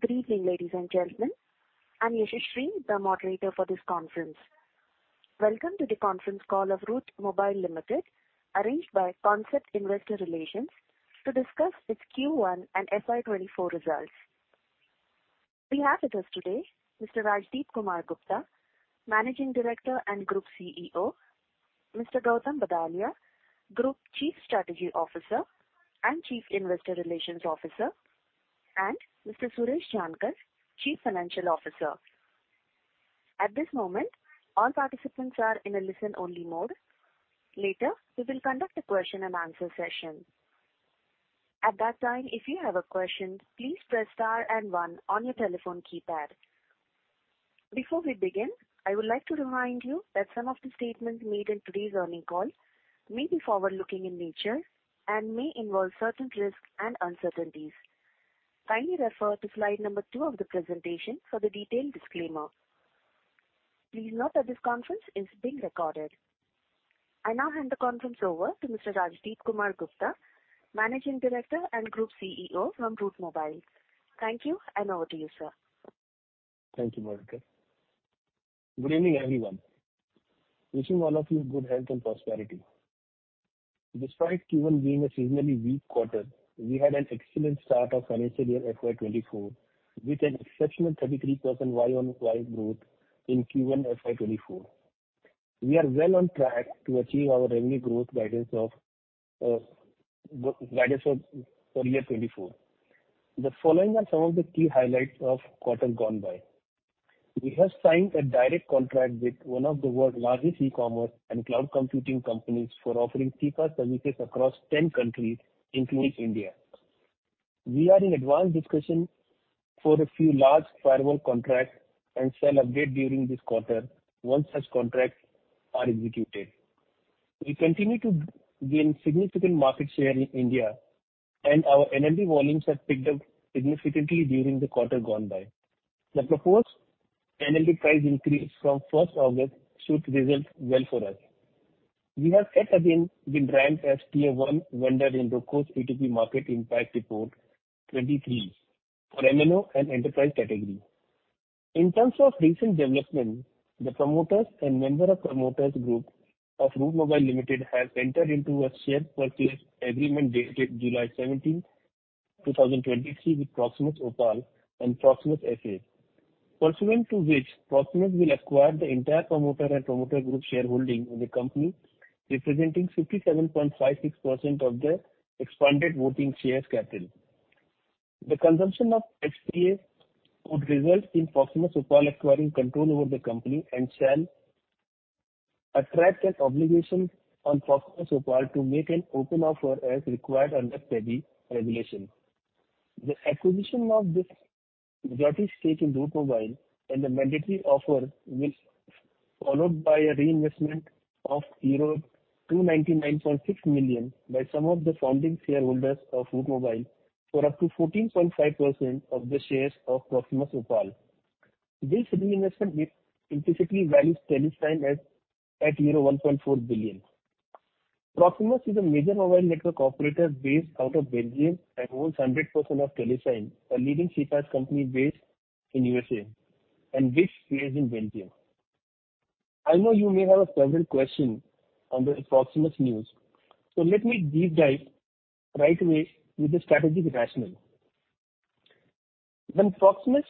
Good evening, ladies and gentlemen. I'm Yashaswini, the moderator for this conference. Welcome to the conference call of Route Mobile Limited, arranged by Concept Investor Relations, to discuss its Q1 and FY24 results. We have with us today Mr. Rajdipkumar Gupta, Managing Director and Group CEO; Mr. Gautam Badalia, Group Chief Strategy Officer and Chief Investor Relations Officer; and Mr. Suresh Jankar, Chief Financial Officer. At this moment, all participants are in a listen-only mode. Later, we will conduct a question-and-answer session. At that time, if you have a question, please press star and one on your telephone keypad. Before we begin, I would like to remind you that some of the statements made in today's earning call may be forward-looking in nature and may involve certain risks and uncertainties. Kindly refer to slide two of the presentation for the detailed disclaimer. Please note that this conference is being recorded. I now hand the conference over to Mr. Rajdipkumar Gupta, Managing Director and Group CEO from Route Mobile. Thank you, and over to you, sir. Thank you, moderator. Good evening, everyone. Wishing all of you good health and prosperity. Despite Q1 being a seasonally weak quarter, we had an excellent start of financial year FY24, with an exceptional 33% year-on-year growth in Q1 FY24. We are well on track to achieve our revenue growth guidance for 2024. The following are some of the key highlights of quarter gone by. We have signed a direct contract with one of the world's largest e-commerce and cloud computing companies for offering CPaaS services across 10 countries, including India. We are in advanced discussion for a few large firewall contracts and shall update during this quarter once such contracts are executed. We continue to gain significant market share in India, our NLD volumes have picked up significantly during the quarter gone by. The proposed NLD price increase from 1st August should result well for us. We are yet again been ranked as tier one vendor in ROCCO's A2P Market Impact Report 2023 for MNO and enterprise category. In terms of recent development, the promoters and member of promoters group of Route Mobile Limited have entered into a Share Purchase Agreement dated July 17, 2023, with Proximus Opal and Proximus SA. Pursuant to which, Proximus will acquire the entire promoter and promoter group shareholding in the company, representing 57.56% of the expanded voting shares capital. The consumption of SPA would result in Proximus Opal acquiring control over the company and shall attract an obligation on Proximus Opal to make an open offer as required under SEBI regulation. The acquisition of this majority stake in Route Mobile and the mandatory offer, which followed by a reinvestment of euro 299.6 million by some of the founding shareholders of Route Mobile, for up to 14.5% of the shares of Proximus Opal. This reinvestment implicitly values Telesign at euro 1.4 billion. Proximus is a major mobile network operator based out of Belgium, and owns 100% of Telesign, a leading CPaaS company based in USA and which is based in Belgium. I know you may have a several question on the Proximus news, so let me deep dive right away with the strategic rationale. When Proximus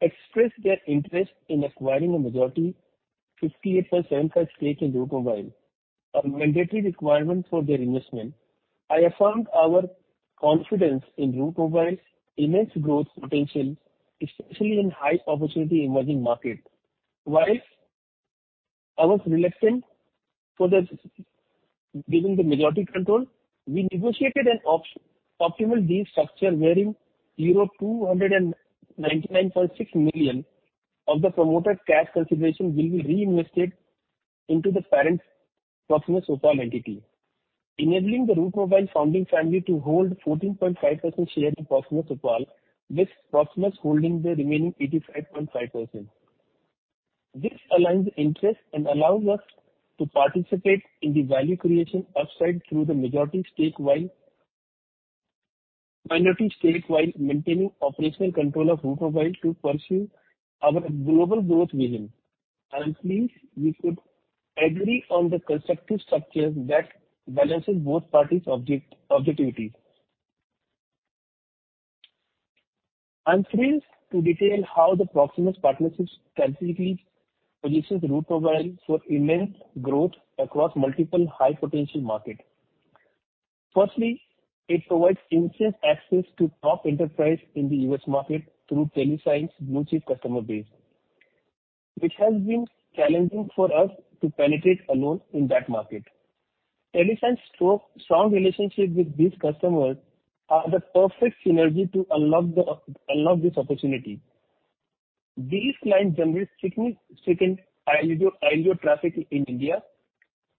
expressed their interest in acquiring a majority, 58% plus stake in Route Mobile, a mandatory requirement for their investment, I affirmed our confidence in Route Mobile's immense growth potential, especially in high-opportunity emerging markets. While I was reluctant giving the majority control, we negotiated an optimal deal structure, wherein 299.6 million of the promoter's cash consideration will be reinvested into the parent Proximus Opal entity. Enabling the Route Mobile founding family to hold 14.5% share in Proximus Opal, with Proximus holding the remaining 85.5%. This aligns the interest and allows us to participate in the value creation upside through the minority stake, while maintaining operational control of Route Mobile to pursue our global growth vision. I am pleased we could agree on the constructive structure that balances both parties' objectivity. I'm thrilled to detail how the Proximus partnership significantly positions Route Mobile for immense growth across multiple high-potential markets. Firstly, it provides instant access to top enterprise in the US market through Telesign's blue chip customer base, which has been challenging for us to penetrate alone in that market. Telesign's strong relationship with these customers are the perfect synergy to unlock the, unlock this opportunity. These clients generate significant ILDO traffic in India,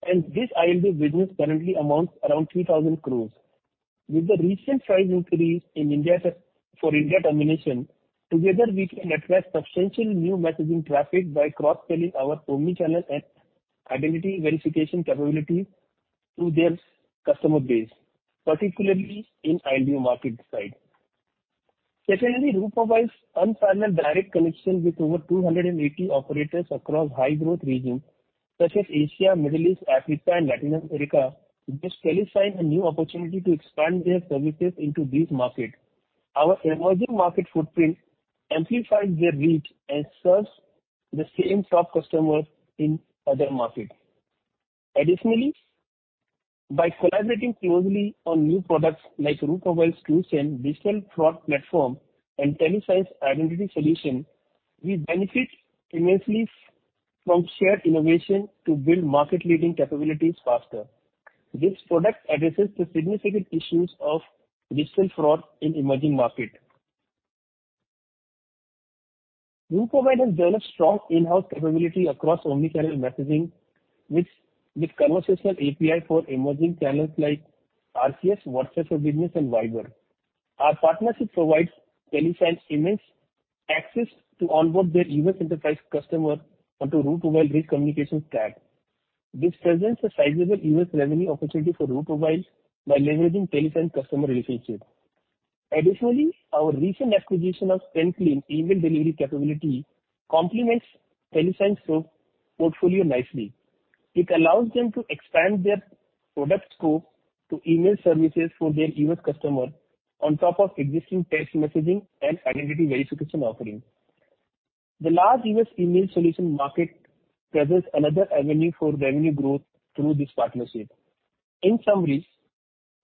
and this ILDO business currently amounts around 2,000 crores. With the recent price increase in India for India termination, together, we can address substantial new messaging traffic by cross-selling our omnichannel and identity verification capabilities to their customer base, particularly in ILDO market side. Secondly, Route Mobile provides unparalleled direct connection with over 280 operators across high-growth regions such as Asia, Middle East, Africa, and Latin America. This qualifies a new opportunity to expand their services into these markets. Our emerging market footprint amplifies their reach and serves the same top customers in other markets. Additionally, by collaborating closely on new products like Route Mobile's solution, digital fraud platform, and Telesign identity solution, we benefit immensely from shared innovation to build market-leading capabilities faster. This product addresses the significant issues of digital fraud in emerging markets. Route Mobile has developed strong in-house capability across omnichannel messaging, which with conversational API for emerging channels like RCS, WhatsApp Business, and Viber. Our partnership provides Telesign immense access to onboard their US enterprise customer onto Route Mobile rich communication stack. This presents a sizable US revenue opportunity for Route Mobile by leveraging Telesign customer relationship. Additionally, our recent acquisition of SendClean email delivery capability complements Telesign's portfolio nicely. It allows them to expand their product scope to email services for their US customers on top of existing text messaging and identity verification offerings. The large US email solution market presents another avenue for revenue growth through this partnership. In summary,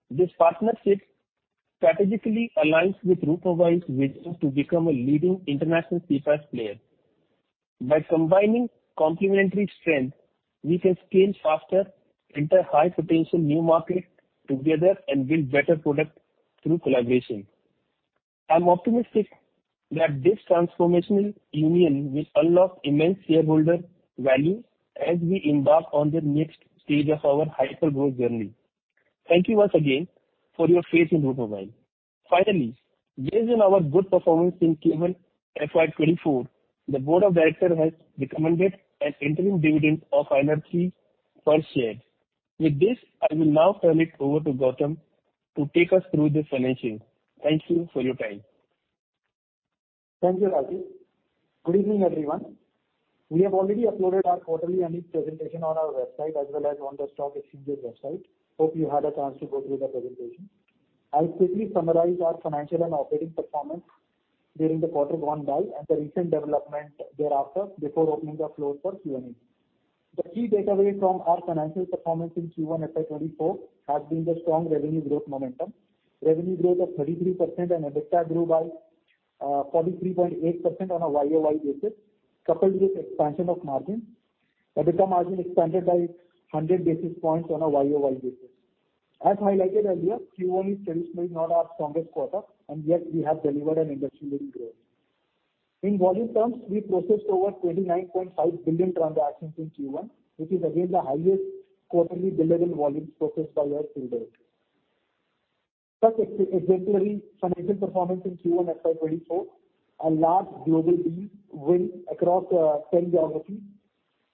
this partnership strategically aligns with Route Mobile's vision to become a leading international CPaaS player. By combining complementary strengths, we can scale faster, enter high-potential new markets together, and build better products through collaboration. I'm optimistic that this transformational union will unlock immense shareholder value as we embark on the next stage of our hyper-growth journey. Thank you once again for your faith in Route Mobile. Finally, based on our good performance in Q1 FY24, the Board of Directors has recommended an interim dividend of 3 rupees per share. With this, I will now turn it over to Gautam to take us through the financials. Thank you for your time. Thank you, Rajdip. Good evening, everyone. We have already uploaded our quarterly earnings presentation on our website, as well as on the stock exchange's website. Hope you had a chance to go through the presentation. I'll quickly summarize our financial and operating performance during the quarter gone by and the recent development thereafter, before opening the floor for Q&A. The key takeaway from our financial performance in Q1 FY24 has been the strong revenue growth momentum. Revenue growth of 33% and EBITDA grew by 43.8% on a YoY basis, coupled with expansion of margins. EBITDA margin expanded by 100 basis points on a YoY basis. As highlighted earlier, Q1 is traditionally not our strongest quarter, and yet we have delivered an industry-leading growth. In volume terms, we processed over 29.5 billion transactions in Q1, which is again the highest quarterly billable volumes processed by our team today. Such exemplary financial performance in Q1 FY24, a large global deals win across 10 geographies,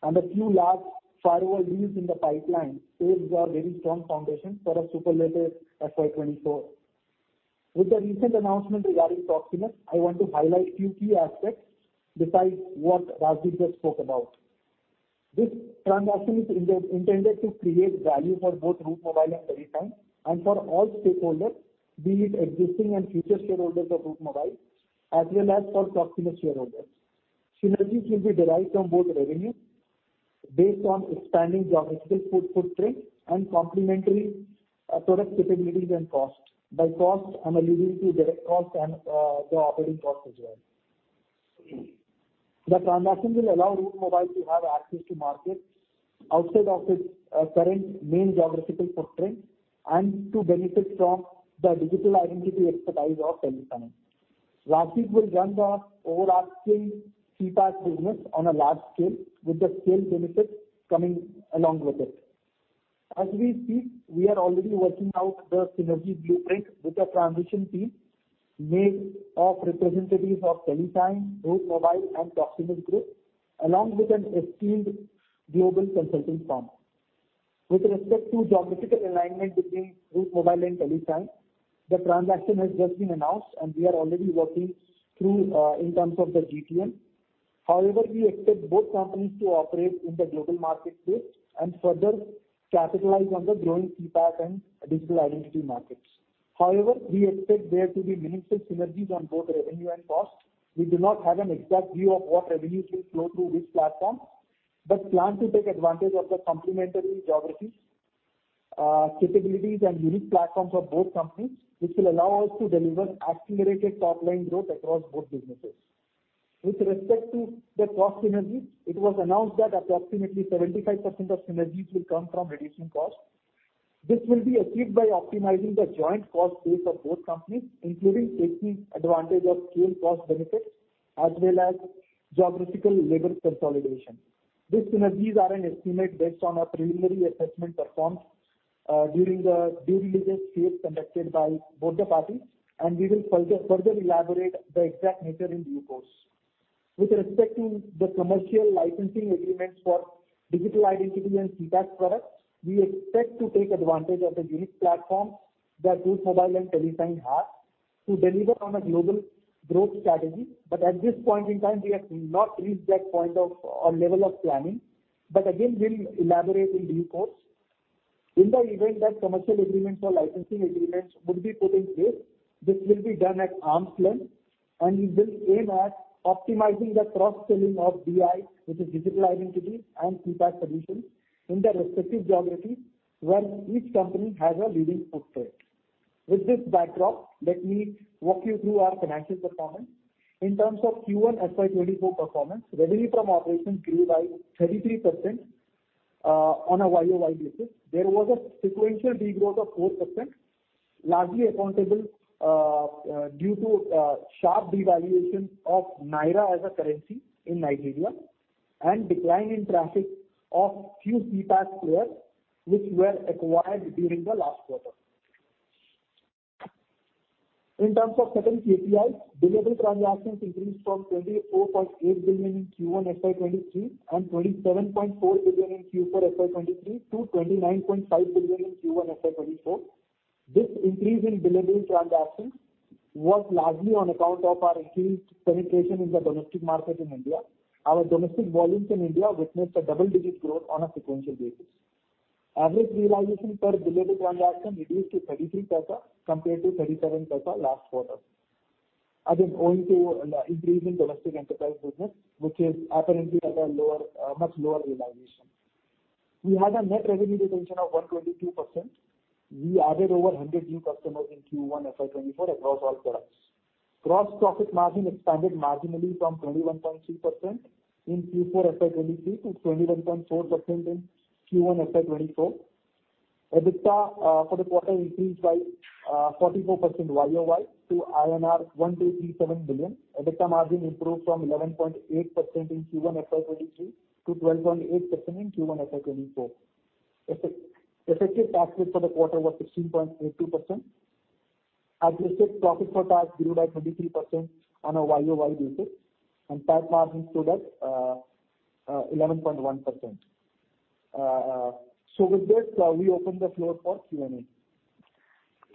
and a few large firewall deals in the pipeline, builds a very strong foundation for a superlative FY24. With the recent announcement regarding Proximus, I want to highlight a few key aspects besides what Rajdip just spoke about. This transaction is intended to create value for both Route Mobile and Telesign, and for all stakeholders, be it existing and future shareholders of Route Mobile, as well as for Proximus shareholders. Synergies will be derived from both revenue based on expanding geographical footprint and complementary product capabilities and cost. By cost, I'm alluding to direct costs and the operating costs as well. The transaction will allow Route Mobile to have access to markets outside of its current main geographical footprint, and to benefit from the digital identity expertise of Telesign. Rajdip will run the overarching CPaaS business on a large scale, with the scale benefits coming along with it. As we speak, we are already working out the synergy blueprint with a transition team made of representatives of Telesign, Route Mobile, and Proximus groups, along with an esteemed global consulting firm. With respect to geographical alignment between Route Mobile and Telesign, the transaction has just been announced, and we are already working through in terms of the GTM. However, we expect both companies to operate in the global market space and further capitalize on the growing CPaaS and digital identity markets. However, we expect there to be minimal synergies on both revenue and cost. We do not have an exact view of what revenues will flow through which platform, but plan to take advantage of the complementary geographies, capabilities, and unique platforms of both companies, which will allow us to deliver accelerated top-line growth across both businesses. With respect to the cost synergies, it was announced that approximately 75% of synergies will come from reducing costs. This will be achieved by optimizing the joint cost base of both companies, including taking advantage of scale cost benefits, as well as geographical labor consolidation. These synergies are an estimate based on a preliminary assessment performed during the due diligence phase conducted by both the parties, and we will further, further elaborate the exact nature in due course.... With respect to the commercial licensing agreements for digital identity and CPaaS products, we expect to take advantage of the unique platforms that Route Mobile and Telesign have, to deliver on a global growth strategy. At this point in time, we have not reached that point of or level of planning. Again, we'll elaborate in due course. In the event that commercial agreements or licensing agreements would be put in place, this will be done at arm's length, and we will aim at optimizing the cross-selling of DI, which is digital identity, and CPaaS solutions in their respective geographies, where each company has a leading footprint. With this backdrop, let me walk you through our financial performance. In terms of Q1 FY24 performance, revenue from operations grew by 33% on a YoY basis. There was a sequential de-growth of 4%, largely accountable due to sharp devaluation of Naira as a currency in Nigeria, and decline in traffic of few CPaaS players, which were acquired during the last quarter. In terms of certain KPIs, billable transactions increased from 24.8 billion in Q1 FY23, and 27.4 billion in Q4 FY23, to 29.5 billion in Q1 FY24. This increase in billable transactions was largely on account of our increased penetration in the domestic market in India. Our domestic volumes in India witnessed a double-digit growth on a sequential basis. Average realization per billable transaction reduced to INR 0.33, compared to INR 0.37 last quarter. Again, owing to increase in domestic enterprise business, which is apparently at a lower, much lower realization. We had a net revenue retention of 122%. We added over 100 new customers in Q1 FY24 across all products. Gross profit margin expanded marginally from 21.3% in Q4 FY23 to 21.4% in Q1 FY24. EBITDA for the quarter increased by 44% YoY to INR 1,237 million. EBITDA margin improved from 11.8% in Q1 FY23 to 12.8% in Q1 FY24. effective tax rate for the quarter was 16.82%. Adjusted profit for tax grew by 23% on a YoY basis, and tax margin stood at 11.1%. With this, we open the floor for Q&A.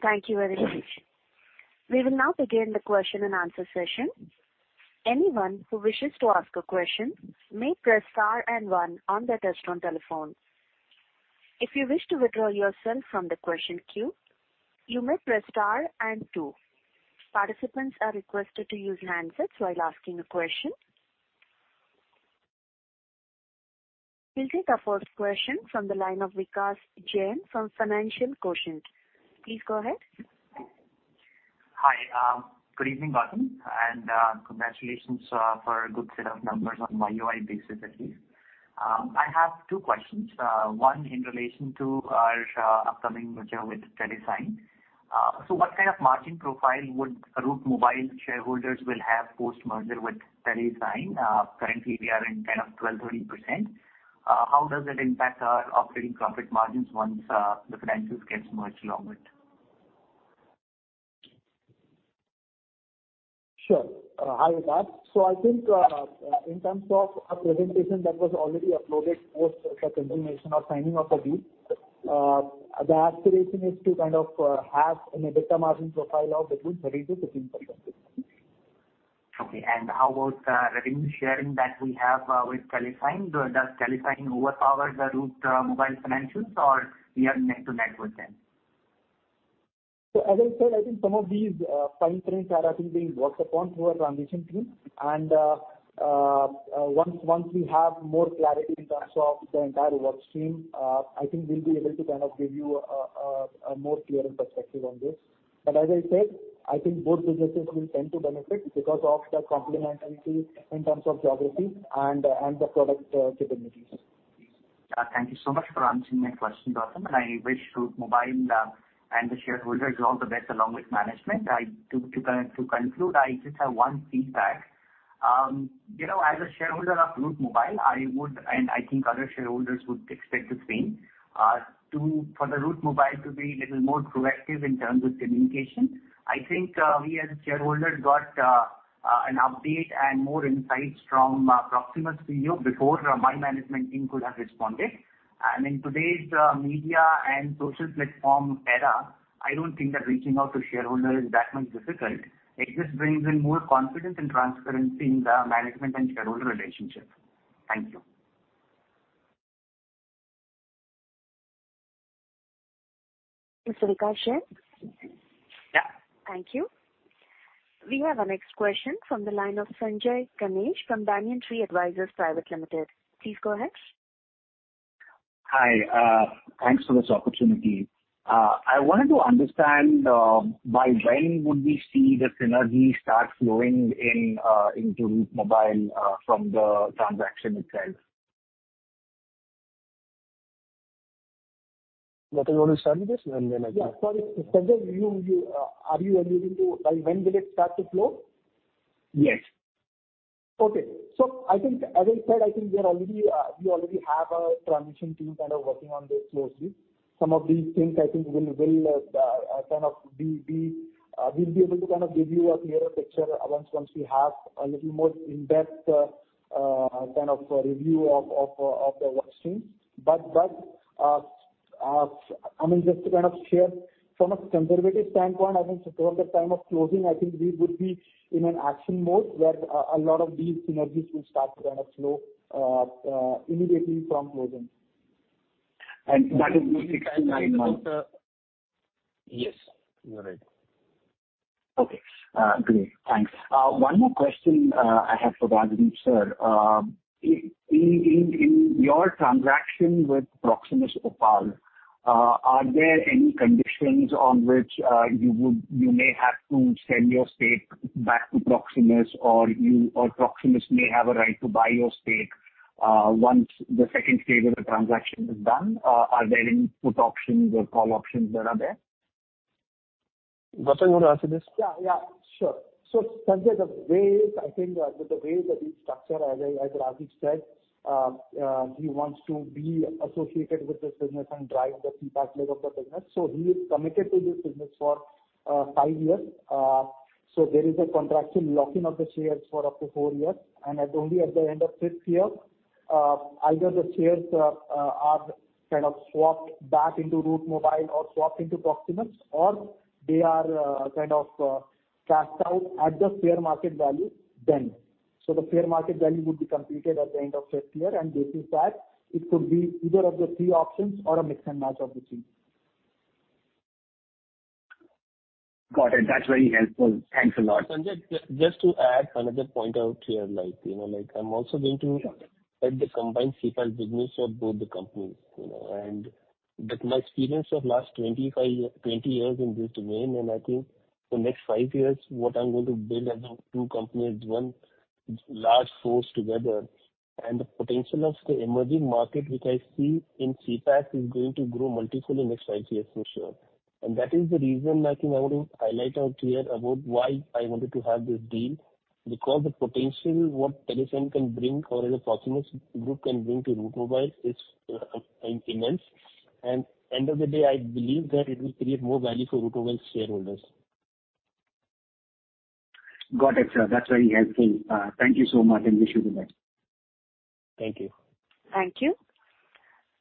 Thank you very much. We will now begin the question and answer session. Anyone who wishes to ask a question, may press star and one on their touchtone telephone. If you wish to withdraw yourself from the question queue, you may press star and two. Participants are requested to use handsets while asking a question. We'll take our first question from the line of Vikas Jain from Financial Quotient. Please go ahead. Hi, good evening, Gautam, congratulations for a good set of numbers on YoY basis, at least. I have two questions. One in relation to our upcoming merger with Telesign. What kind of margin profile would Route Mobile shareholders will have post-merger with Telesign? Currently, we are in 10 or 12, 20%. How does it impact our operating profit margins once the financials gets merged along with? Sure. Hi, Vikas. I think, in terms of a presentation that was already uploaded post the confirmation or signing of the deal, the aspiration is to kind of, have an EBITDA margin profile of between 30% to 15%. Okay. How about revenue sharing that we have with Telesign? Does Telesign overpower the Route Mobile financials or we are neck to neck with them? As I said, I think some of these, fine prints are actually being worked upon through our transition team. Once we have more clarity in terms of the entire work stream, I think we'll be able to kind of give you a, a more clearer perspective on this. As I said, I think both businesses will tend to benefit because of the complementarity in terms of geography and, and the product, capabilities. Thank you so much for answering my question, Gautam, and I wish Route Mobile and the shareholders all the best along with management. To conclude, I just have one feedback. You know, as a shareholder of Route Mobile, I would, and I think other shareholders would expect the same, to for the Route Mobile to be little more proactive in terms of communication. I think, we as a shareholder got an update and more insights from Guillaume Boutin before my management team could have responded. In today's media and social platform era, I don't think that reaching out to shareholder is that much difficult. It just brings in more confidence and transparency in the management and shareholder relationship. Thank you. Thanks, Vikas Jain. Yeah. Thank you. We have our next question from the line of Sanjay Pranesh from Banyan Tree Advisors Private Limited. Please go ahead. Hi, thanks for this opportunity. I wanted to understand, by when would we see the synergy start flowing in, into Route Mobile, from the transaction itself? Vasant, you want to start with this, and then I can- Yeah, sorry, Sanjay, you, you, are you alluding to, like, when will it start to flow? Yes. Okay. I think, as I said, I think we are already, we already have a transition team kind of working on this closely. Some of these things I think will, will, kind of be, be, we'll be able to kind of give you a clearer picture once, once we have a little more in-depth, kind of a review of, of, of the work stream. I mean, just to kind of share from a conservative standpoint, I think towards the time of closing, I think we would be in an action mode, where, a lot of these synergies will start to kind of flow, immediately from closing. That is within six to nine months. Yes, you're right. Okay, great. Thanks. One more question I have for Rajdip, sir. In your transaction with Proximus Opal, are there any conditions on which you may have to sell your stake back to Proximus, or you, or Proximus may have a right to buy your stake once the second stage of the transaction is done? Are there any put options or call options that are there? Vasant, you want to answer this? Yeah, yeah, sure. Sanjay, the way I think, with the way that is structured, as I, as Rajdip said, he wants to be associated with this business and drive the CPaaS leg of the business. He is committed to this business for 5 years. There is a contractual lock-in of the shares for up to 4 years, and at only at the end of fifth year, either the shares are kind of swapped back into Route Mobile or swapped into Proximus, or they are kind of cashed out at the fair market value then. The fair market value would be completed at the end of fifth year, and this is that it could be either of the 3 options or a mix and match of the 3. Got it. That's very helpful. Thanks a lot. Sanjay, just to add another point out here, like, you know, like, I'm also going to. Sure. -add the combined CPaaS business of both the companies, you know, with my experience of last 25 years, 20 years in this domain, I think the next 5 years, what I'm going to build as a 2 company is 1 large force together. The potential of the emerging market, which I see in CPaaS, is going to grow multi-fold in the next 5 years for sure. That is the reason I think I want to highlight out clear about why I wanted to have this deal, because the potential what Telesign can bring or the Proximus Group can bring to Route Mobile is immense. End of the day, I believe that it will create more value for Route Mobile shareholders. Got it, sir. That's very helpful. Thank you so much. Wish you the best. Thank you. Thank you.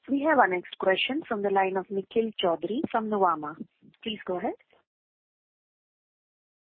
We have our next question from the line of Nikhil Chakravarthy from Nomura. Please go ahead.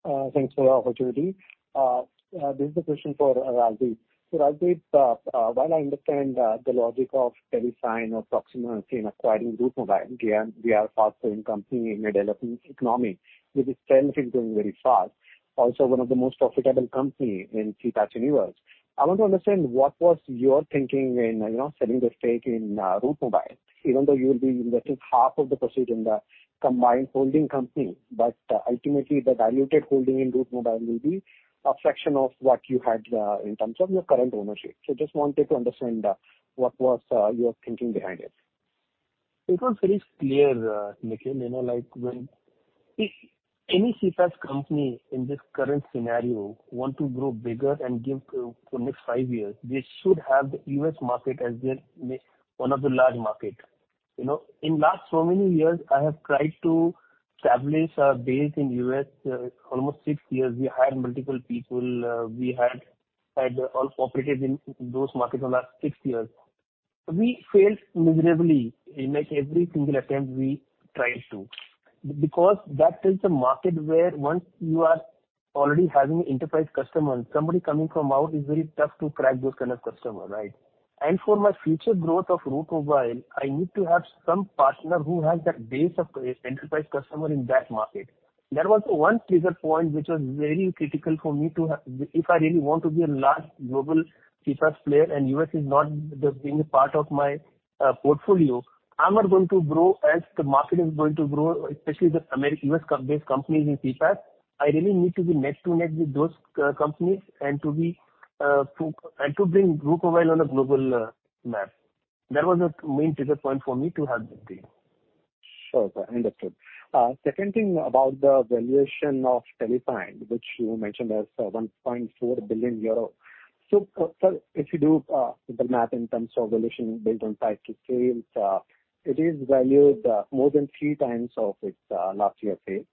Uh, thanks for the opportunity. Uh, uh, this is a question for, uh, Rajdip. So Rajdip, uh, uh, while I understand, uh, the logic of Telesign or Proximus in acquiring Route Mobile, we are, we are faster in company in a developing economy, with this trend is going very fast. Also, one of the most profitable company in CPaaS universe. I want to understand, what was your thinking in, you know, selling the stake in, uh, Route Mobile? Even though you will be investing half of the proceed in the combined holding company, but ultimately the diluted holding in Route Mobile will be a fraction of what you had, uh, in terms of your current ownership. So just wanted to understand, uh, what was, uh, your thinking behind it? It was very clear, Nikhil, you know, like when any CPaaS company in this current scenario want to grow bigger and give to next 5 years, they should have the US market as their one of the large market. You know, in last so many years, I have tried to establish a base in U.S. Almost 6 years, we hired multiple people, we had all operated in those markets for the last 6 years. We failed miserably in, like, every single attempt we tried to, because that is the market where once you are already having enterprise customer, and somebody coming from out is very tough to crack those kind of customer, right? For my future growth of Route Mobile, I need to have some partner who has that base of enterprise customer in that market. There was one trigger point, which was very critical for me to have. If I really want to be a large global CPaaS player, and U.S. is not just being a part of my portfolio, I'm not going to grow as the market is going to grow, especially the U.S.-based companies in CPaaS. I really need to be neck to neck with those companies and to be and to bring Route Mobile on a global map. That was the main trigger point for me to have this deal. ood. Second thing about the valuation of Telesign, which you mentioned as €1.4 billion. Sir, if you do the math in terms of valuation built on TTM, it is valued more than 3 times of its last year's sale,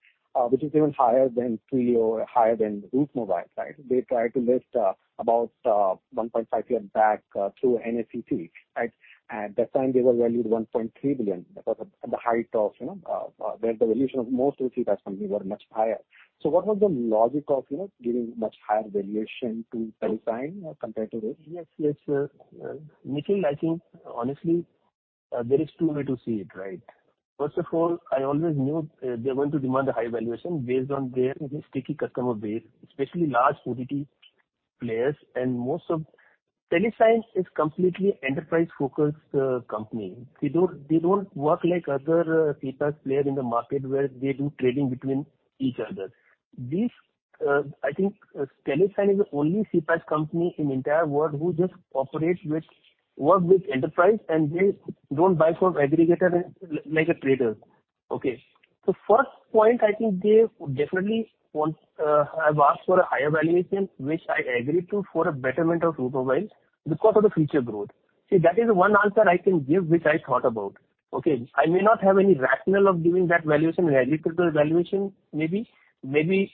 which is even higher than 3 or higher than Route Mobile, right? They tried to list about 1.5 years back through NFCT, right? At that time, they were valued €1.3 billion. That was at the height of, you know, where the valuation of most of CPaaS companies were much higher. So what was the logic of, you know, giving much higher valuation to Telesign compared to this? Yes, yes, Nikhil, I think honestly, there is two way to see it, right? First of all, I always knew, they're going to demand a high valuation based on their sticky customer base, especially large OTT players and most of... Telesign is completely enterprise-focused company. They don't, they don't work like other CPaaS player in the market, where they do trading between each other. I think Telesign is the only CPaaS company in the entire world who just operates with, work with enterprise, and they don't buy from aggregator, like, like a trader. First point, I think they definitely want, have asked for a higher valuation, which I agreed to for a betterment of Route Mobile because of the future growth. See, that is one answer I can give, which I thought about. I may not have any rationale of giving that valuation, reasonable valuation, maybe. Maybe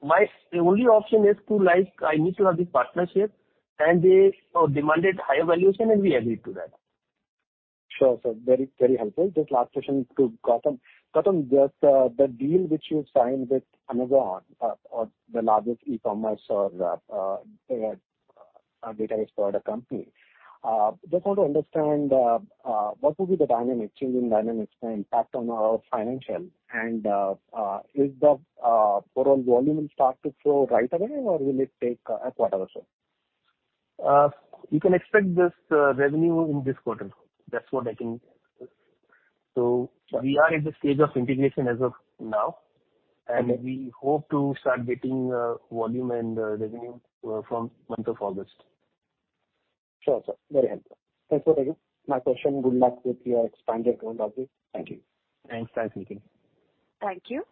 the only option is to, like, I need to have this partnership, and they demanded higher valuation, and we agreed to that. Sure, sir. Very, very helpful. Just last question to Gautam. Gautam, just, the deal which you signed with Amazon, or the largest e-commerce or, data explorer company, just want to understand what will be the dynamic, changing dynamics and impact on our financial? Will the overall volume will start to flow right away or will it take a quarter or so? You can expect this revenue in this quarter. That's what I can... We are in the stage of integration as of now, and we hope to start getting volume and revenue from month of August. Sure, sir. Very helpful. Thanks for that. My question, good luck with your expanded growth update. Thank you. Thanks. Thanks, Nikhil. Thank you.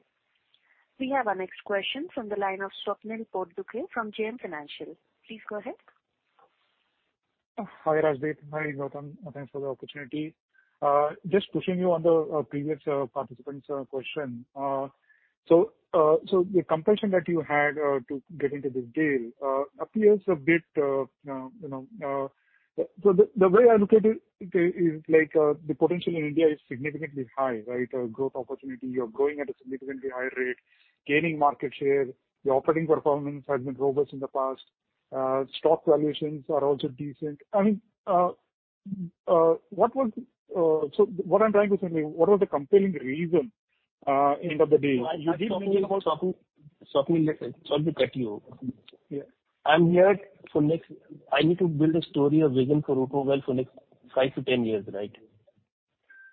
We have our next question from the line of Swapnil Potdukhe from JM Financial. Please go ahead. Hi, Rajdip. Hi, Gautam. Thanks for the opportunity. Just pushing you on the previous participant's question. The compression that you had to get into this deal appears a bit, you know. The way I look at it is like, the potential in India is significantly high, right? A growth opportunity. You're growing at a significantly high rate, gaining market share. Your operating performance has been robust in the past. Stock valuations are also decent. I mean, what was... What I'm trying to say, what was the compelling reason, end of the day? Swapnil, Swapnil, let me cut you. Yeah. I'm here for I need to build a story, a vision for Route Mobile for next 5 to 10 years, right?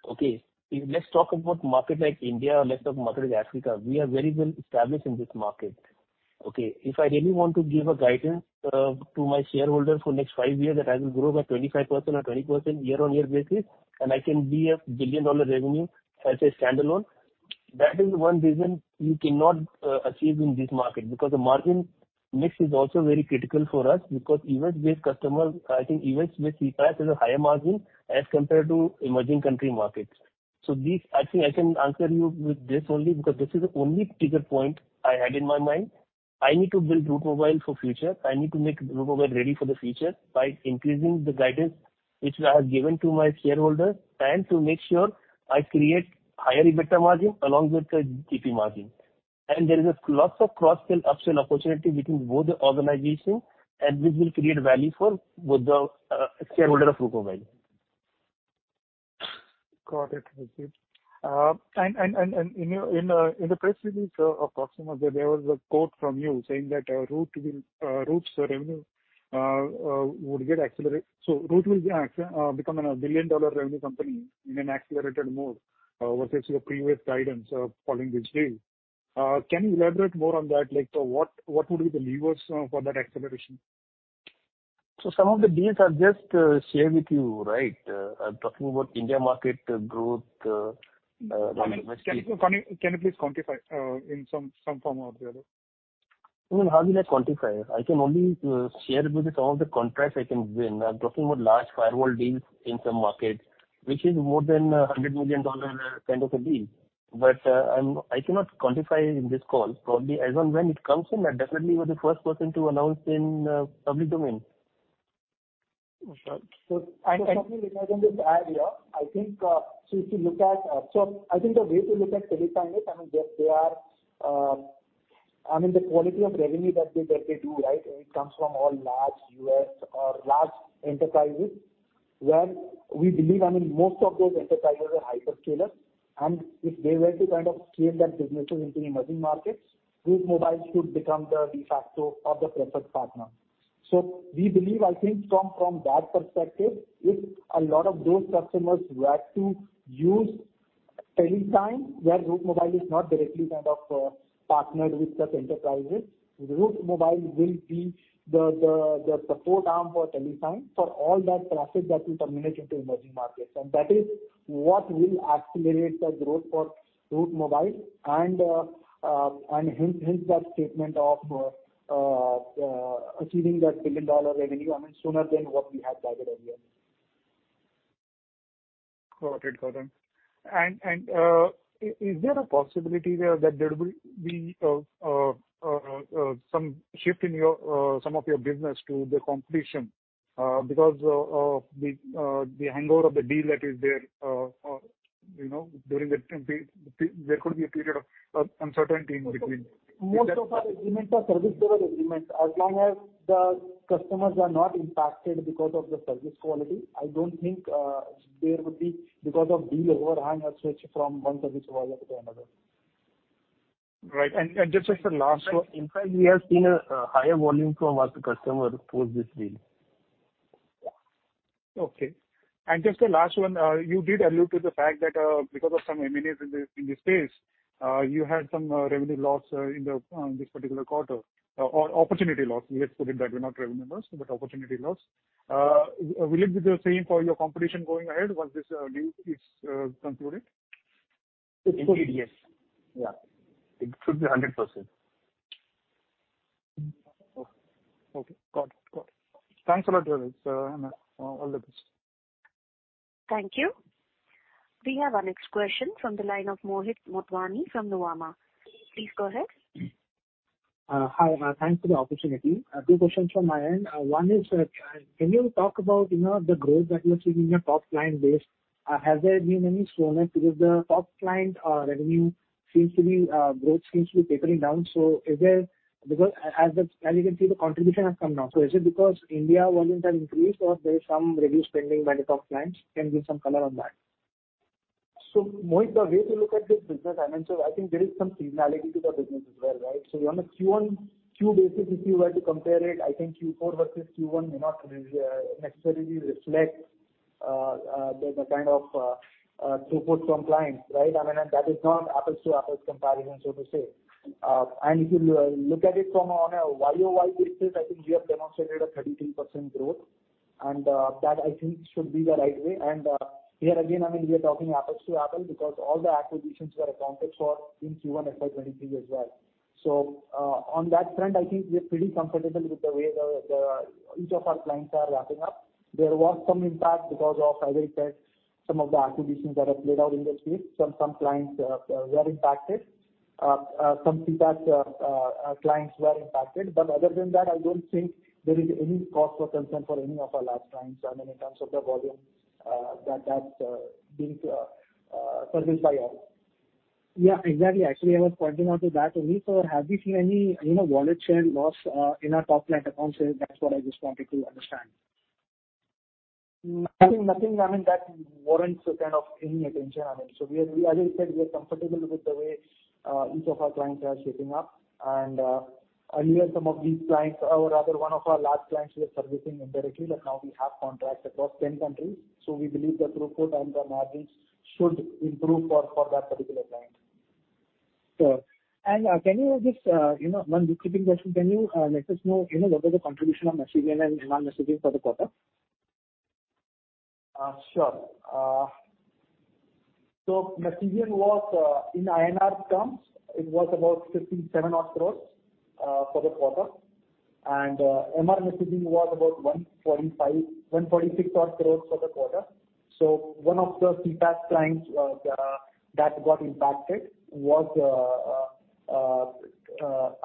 Let's talk about market like India, or let's talk market like Africa. We are very well established in this market, okay? If I really want to give a guidance to my shareholder for next 5 years, that I will grow by 25% or 20% year-on-year basis, and I can be a $1 billion revenue as a standalone, that is one reason you cannot achieve in this market, because the margin mix is also very critical for us, because event-based customer, I think event-based CPaaS is a higher margin as compared to emerging country markets. This, I think I can answer you with this only, because this is the only trigger point I had in my mind. I need to build Route Mobile for future. I need to make Route Mobile ready for the future by increasing the guidance which I have given to my shareholders, and to make sure I create higher EBITDA margin along with the GP margin. There is a lots of cross-sell, upsell opportunity between both the organizations, and this will create value for both the shareholder of Route Mobile. Got it. In the press release, Proximus, there was a quote from you saying that Route will, Route's revenue would get accelerate. Route will become a billion-dollar revenue company in an accelerated mode versus your previous guidance following this deal. Can you elaborate more on that? Like, what, what would be the levers for that acceleration? Some of the deals are just shared with you, right? I'm talking about India market growth. I mean, can, can you, can you please quantify, in some, some form or the other? I mean, how do I quantify? I can only share with you some of the contracts I can win. I'm talking about large firewall deals in some markets, which is more than a $100 million kind of a deal. I cannot quantify in this call. Probably as and when it comes in, I definitely be the first person to announce in public domain. Sure. Swapnil, if I can just add here, I think, so if you look at. I think the way to look at Telesign is, I mean, they, they are, I mean, the quality of revenue that they, that they do, right? It comes from all large US or large enterprises, where we believe, I mean, most of those enterprises are hyperscalers, and if they were to kind of scale their businesses into emerging markets, Route Mobile could become the de facto or the preferred partner. We believe, I think from, from that perspective, if a lot of those customers were to use Telesign, where Route Mobile is not directly kind of, partnered with such enterprises, Route Mobile will be the, the, the support arm for Telesign for all that traffic that will terminate into emerging markets. That is what will accelerate the growth for Route Mobile and hence, hence that statement of achieving that $1 billion revenue, I mean, sooner than what we had targeted earlier. Got it, Gautam. Is there a possibility there that there will be some shift in your some of your business to the competition, because the hangover of the deal that is there, you know, during the temp... There could be a period of uncertainty in between? Most of our agreements are service level agreements. As long as the customers are not impacted because of the service quality, I don't think there would be, because of deal overhang, a switch from one service provider to another. Right. just as the last- In fact, we have seen a higher volume from our customer post this deal. ... Okay. Just a last one, you did allude to the fact that, because of some M&As in this, in this space, you had some revenue loss, in the this particular quarter, or opportunity loss. Let's put it that way, not revenue loss, but opportunity loss. Will it be the same for your competition going ahead once this deal is concluded? Yes. Yeah. It should be 100%. Okay, got it, got it. Thanks a lot, guys. All the best. Thank you. We have our next question from the line of Mohit Motwani from Nomura. Please go ahead. Hi, thanks for the opportunity. Two questions from my end. One is, can you talk about, you know, the growth that you're seeing in your top client base? Has there been any soreness? Because the top client revenue seems to be growth seems to be tapering down. Because as you can see, the contribution has come down. Is it because India volumes have increased, or there is some reduced spending by the top clients? Can you give some color on that? Mohit, the way to look at this business, I mean, I think there is some seasonality to the business as well, right? On a Q1 basis, if you were to compare it, I think Q4 versus Q1 may not necessarily reflect the kind of throughput from clients, right? I mean, that is not apples to apples comparison, so to say. If you look at it from on a YOY basis, I think we have demonstrated a 32% growth, here again, I mean, we are talking apples to apple, because all the acquisitions were accounted for in Q1 FY23 as well. On that front, I think we're pretty comfortable with the way the, the, each of our clients are ramping up. There was some impact because of, as I said, some of the acquisitions that have played out in the space. Some, some clients were impacted. Some CPaaS clients were impacted. Other than that, I don't think there is any cause for concern for any of our large clients. I mean, in terms of the volume that, that's being serviced by all. Yeah, exactly. Actually, I was pointing out to that only. Have you seen any, you know, wallet share loss in our top client accounts? That's what I just wanted to understand. Nothing, nothing, I mean, that warrants a kind of paying attention, I mean. We are, as I said, we are comfortable with the way, each of our clients are shaping up. Even some of these clients, or rather one of our large clients, we are servicing indirectly, but now we have contracts across 10 countries. We believe the throughput and the margins should improve for, for that particular client. Sure. Can you just, you know, 1 quick question. Can you, let us know, you know, what is the contribution of messaging and MR messaging for the quarter? Sure. Messaging was in INR terms, it was about 57 odd crores for the quarter. MR messaging was about 145-146 odd crores for the quarter. One of the CPaaS clients that got impacted was,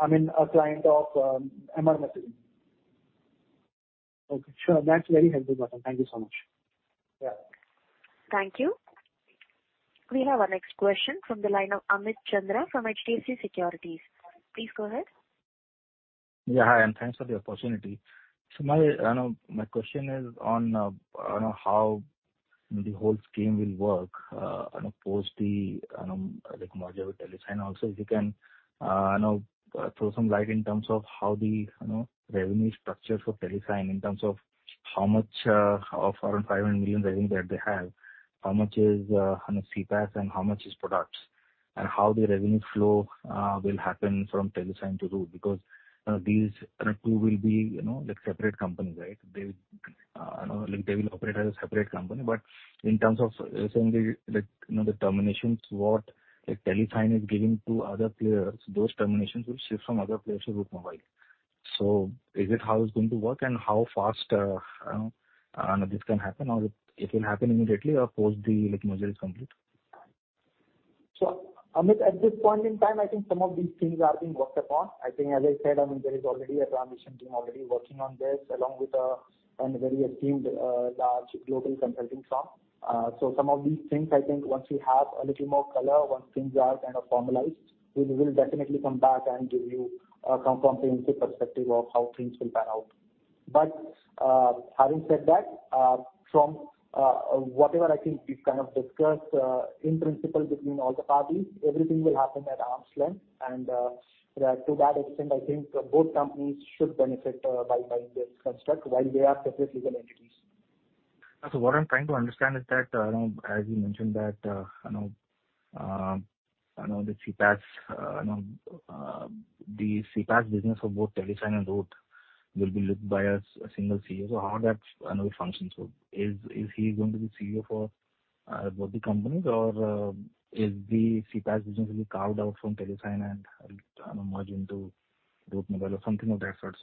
I mean, a client of MR messaging. Okay, sure. That's very helpful, Gautam. Thank you so much. Yeah. Thank you. We have our next question from the line of Amit Chandra from HDFC Securities. Please go ahead. Hi, and thanks for the opportunity. My question is on how the whole scheme will work on post the, like, merger with Telesign also, if you can, you know, throw some light in terms of how the, you know, revenue structure for Telesign, in terms of how much of around 500 million revenue that they have, how much is on a CPaaS and how much is products? How the revenue flow will happen from Telesign to Route. These two will be, you know, like, separate companies, right? They, you know, like, they will operate as a separate company. In terms of saying the, like, you know, the terminations what, like, Telesign is giving to other players, those terminations will shift from other players to Route Mobile. Is it how it's going to work, and how fast this can happen? Or it will happen immediately or post the, like, merger is complete? Amit, at this point in time, I think some of these things are being worked upon. I think, as I said, I mean, there is already a transition team already working on this, along with one very esteemed, large global consulting firm. Some of these things, I think once we have a little more color, once things are kind of formalized, we will definitely come back and give you some comprehensive perspective of how things will pan out. Having said that, from whatever I think we've kind of discussed, in principle between all the parties, everything will happen at arm's length. To that extent, I think both companies should benefit, by, by this construct while they are separate legal entities. What I'm trying to understand is that, you know, as you mentioned, that, you know, I know the CPaaS, you know, the CPaaS business of both Telesign and Route will be led by a single CEO. How that, you know, will function? Is he going to be CEO for both the companies, or is the CPaaS business will be carved out from Telesign and merge into Route Mobile or something of that sort?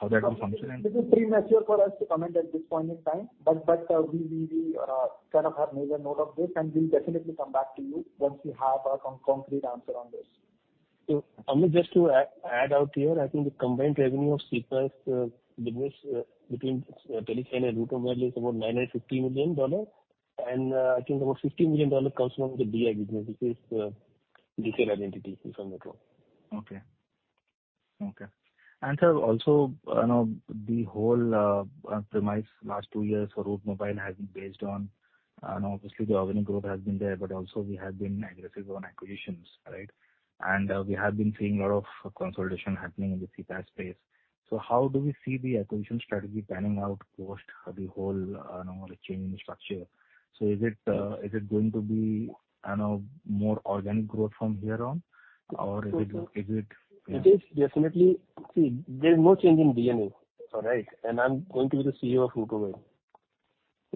How that will function? This is premature for us to comment at this point in time, but we kind of have made a note of this, and we'll definitely come back to you once we have a concrete answer on this. Amit, just to add out here, I think the combined revenue of CPaaS business between Telesign and Route Mobile is about $9.50 million. I think about $50 million comes from the DI business, which is digital identity, if I'm not wrong. Okay. Okay. Also, I know the whole premise last 2 years for Route Mobile has been based on, and obviously the organic growth has been there, but also we have been aggressive on acquisitions, right? We have been seeing a lot of consolidation happening in the CPaaS space. How do we see the acquisition strategy panning out post the whole, you know, change in structure? Is it going to be, I know, more organic growth from here on, or is it? It is definitely. See, there is no change in DNA, all right? I'm going to be the CEO of Route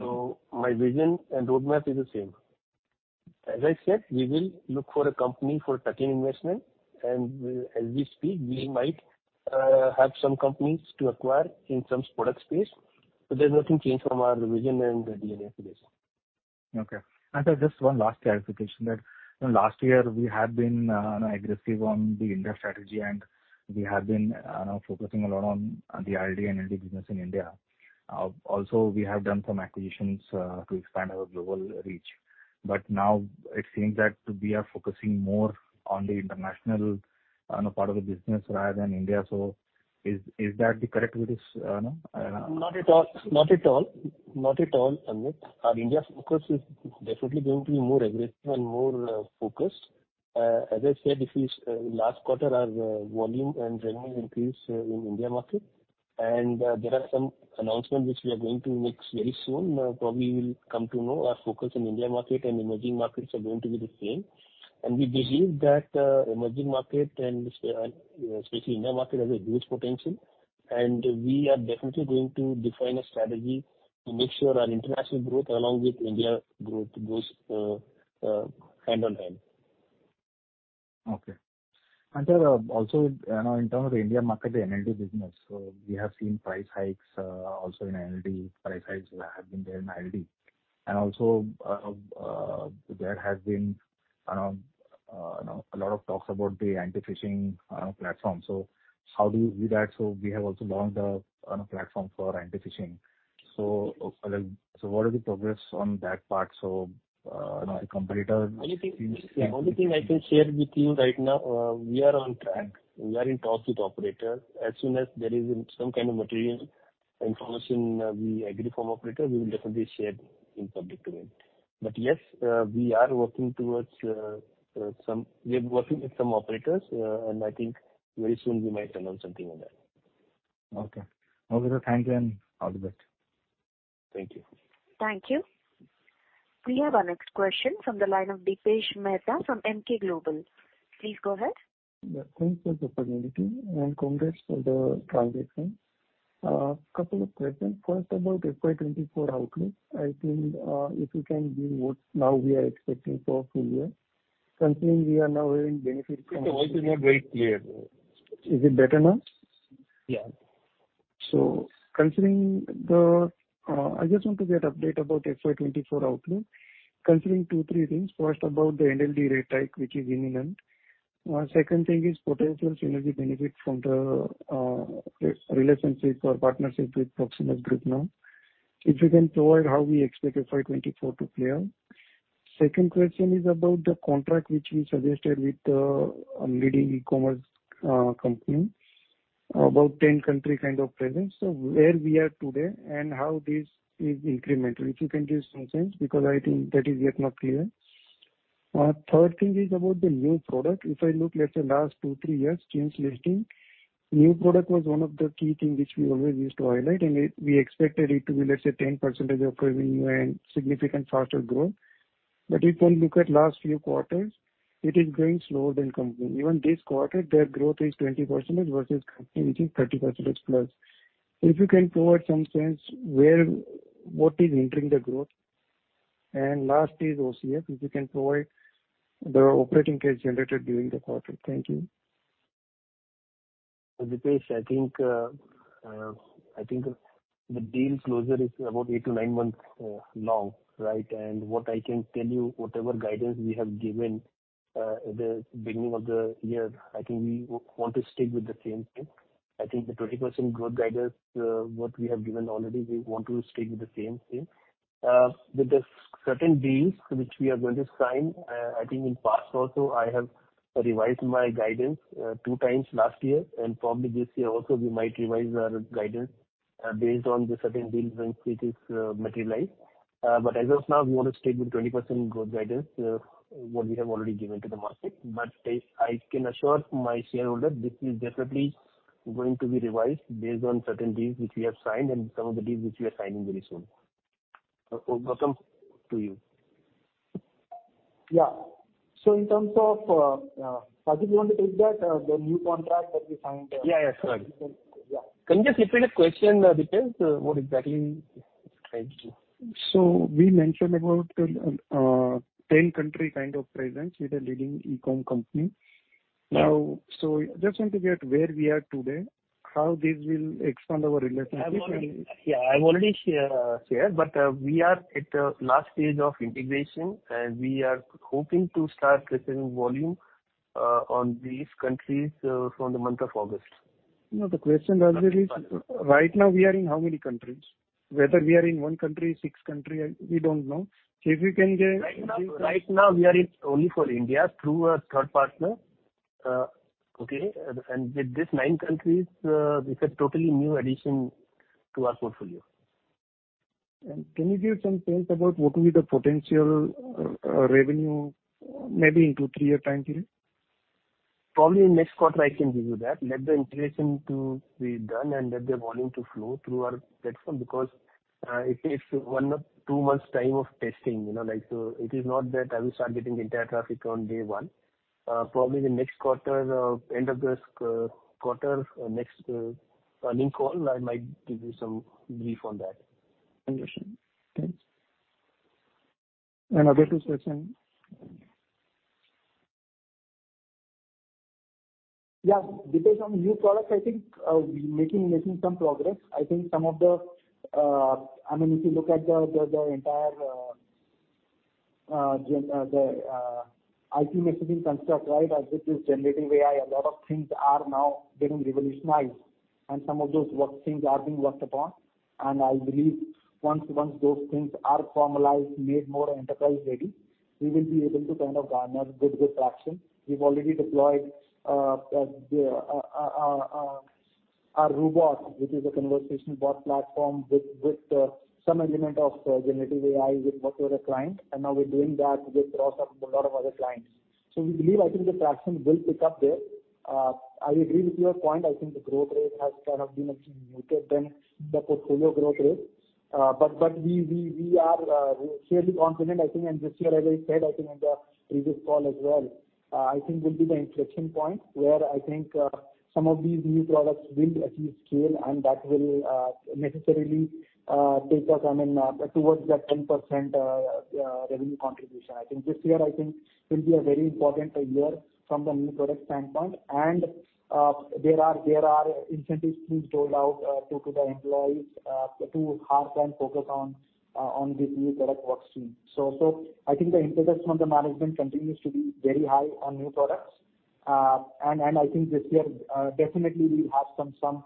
Mobile. My vision and roadmap is the same. As I said, we will look for a company for tuck-in investment, as we speak, we might have some companies to acquire in some product space. There's nothing changed from our vision and the DNA for this. Okay. Just one last clarification that last year we had been aggressive on the India strategy, and we have been focusing a lot on the ILDO business in India. Also, we have done some acquisitions to expand our global reach. Now it seems that we are focusing more on the international, on a part of the business rather than India. Is that the correct way this, no? Not at all. Not at all. Not at all, Amit. Our India focus is definitely going to be more aggressive and more focused. As I said, this is last quarter, our volume and revenue increased in India market. There are some announcements which we are going to make very soon. Probably you will come to know our focus in India market and emerging markets are going to be the same. We believe that emerging market and especially India market has a huge potential, and we are definitely going to define a strategy to make sure our international growth along with India growth goes hand on hand. Okay. There are also, you know, in terms of India market, the NLD business. We have seen price hikes, also in NLD, price hikes have been there in NLD. Also, there has been, you know, a lot of talks about the anti-phishing platform. How do you do that? We have also launched a platform for anti-phishing. What is the progress on that part, so the competitor? The only thing, the only thing I can share with you right now, we are on track. We are in talks with operators. As soon as there is some kind of material information, we agree from operator, we will definitely share in public domain. Yes, we are working towards. We are working with some operators, and I think very soon we might announce something on that. Okay. Okay, sir. Thank you, and all the best. Thank you. Thank you. We have our next question from the line of Dipesh Mehta from Emkay Global. Please go ahead. Yeah, thanks for the opportunity and congrats for the transaction. Couple of questions. First, about FY 2024 outlook. I think, if you can give what now we are expecting for full year. Considering we are now having benefit from- The voice is not very clear. Is it better now? Yeah. Considering the, I just want to get update about FY24 outlook. Considering two, three things. First, about the NLD rate hike, which is imminent. Second thing is potential synergy benefit from the relationships or partnerships with Proximus Group now. If you can provide how we expect FY24 to play out. Second question is about the contract which you suggested with a leading e-commerce company, about 10 country kind of presence. Where we are today and how this is incremental? If you can give some sense, because I think that is yet not clear. Third thing is about the new product. If I look, let's say, last 2, 3 years since listing, new product was one of the key thing which we always used to highlight, and we, we expected it to be, let's say, 10% of revenue and significant faster growth. If you look at last few quarters, it is growing slower than company. Even this quarter, their growth is 20% versus company, which is 30% plus. If you can provide some sense, where, what is entering the growth? Last is OCF. If you can provide the operating cash generated during the quarter. Thank you. Dipesh, I think, I think the deal closure is about eight to nine months long, right? What I can tell you, whatever guidance we have given, the beginning of the year, I think we want to stick with the same thing. I think the 20% growth guidance, what we have given already, we want to stick with the same thing. With the certain deals which we are going to sign, I think in past also, I have revised my guidance 2 times last year, and probably this year also we might revise our guidance based on the certain deals once it is materialized. As of now, we want to stick with 20% growth guidance, what we have already given to the market. I, I can assure my shareholders this is definitely going to be revised based on certain deals which we have signed and some of the deals which we are signing very soon. Welcome to you. Yeah. In terms of, Rajdip, you want to take that, the new contract that we signed? Yeah, yes, sorry. Yeah. Can you just repeat the question, Dipesh, what exactly he tried to do? We mentioned about 10 country kind of presence with a leading e-com company. Now, just want to get where we are today, how this will expand our relationship and. Yeah, I've already share, shared, but, we are at the last stage of integration, and we are hoping to start getting volume on these countries from the month of August. No, the question rather is, right now, we are in how many countries? Whether we are in 1 country, 6 country, we don't know. If you can give- Right now, right now we are in only for India through a third partner. Okay, with this 9 countries, it's a totally new addition to our portfolio. Can you give some sense about what will be the potential, revenue, maybe in 2-3 year time period? Probably next quarter, I can give you that. Let the integration to be done, and let the volume to flow through our platform, because, it, it's 1 or 2 months time of testing, you know, like. It is not that I will start getting the entire traffic on day 1. Probably the next quarter, end of this quarter, or next earning call, I might give you some brief on that. Thank you, sir. Thanks. Other questions? Yeah. Based on new products, I think, we making some progress. I think some of the... I mean, if you look at the entire gen IT machines and stuff, right, as it is generating AI, a lot of things are now getting revolutionized, and some of those work things are being worked upon. I believe once, once those things are formalized, made more enterprise-ready, we will be able to kind of garner good, good traction. We've already deployed our robot, which is a conversation bot platform with some element of generative AI, with one of the client, and now we're doing that with a lot of other clients. We believe, I think the traction will pick up there. I agree with your point. rate has kind of been muted than the portfolio growth rate. But we are fairly confident, I think, and this year, as I said, I think in the previous call as well, will be the inflection point where I think some of these new products will achieve scale, and that will necessarily take us towards that 10% revenue contribution. I think this year will be a very important year from the new product standpoint. There are incentives being rolled out to the employees to hark and focus on these new product work stream. So I think the interest from the management continues to be very high on new products. I think this year, definitely we'll have some, some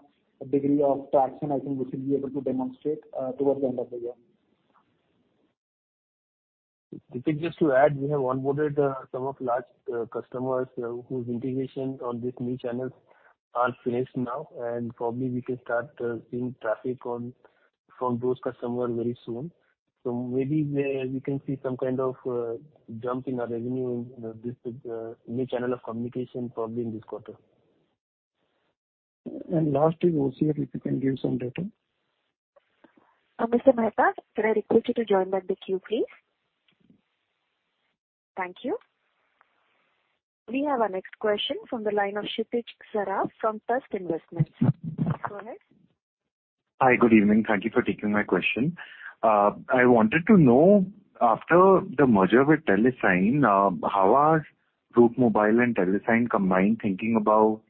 degree of traction. I think we should be able to demonstrate towards the end of the year. Deepak, just to add, we have onboarded some of large customers whose integration on this new channels are finished now, and probably we can start seeing traffic on from those customers very soon. Maybe we, we can see some kind of jump in our revenue in this new channel of communication, probably in this quarter. Last is OCI, if you can give some data. Mr. Mehta, can I request you to join back the queue, please? Thank you. We have our next question from the line of Kshitiz Sara from Trust Investments. Go ahead. Hi. Good evening. Thank you for taking my question. I wanted to know, after the merger with Telesign, how are Route Mobile and Telesign combined, thinking about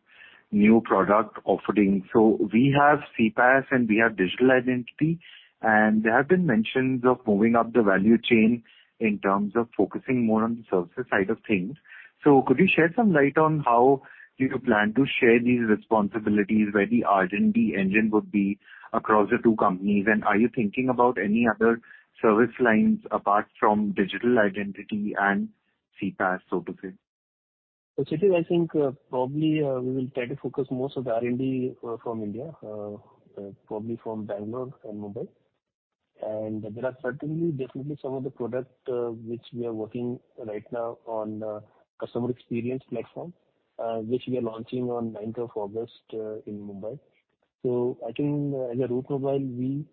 new product offerings? We have CPaaS and we have digital identity, and there have been mentions of moving up the value chain in terms of focusing more on the service side of things. Could you share some light on how you plan to share these responsibilities, where the R&D engine would be across the two companies? Are you thinking about any other service lines apart from digital identity and CPaaS, so to say? Kshitiz, I think, probably, we will try to focus most of the R&D from India, probably from Bangalore and Mumbai. There are certainly, definitely some of the product which we are working right now on customer experience platform, which we are launching on ninth of August, in Mumbai. I think as a Route Mobile, we